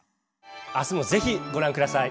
「明日もぜひご覧下さい」。